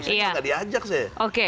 saya nggak diajak saya